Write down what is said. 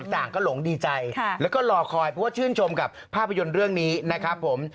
ต่างก็หลงดีใจแล้วก็รอคอยเพราะว่าชื่นชมกับภาพยนตร์เรื่องนี้นะครับผม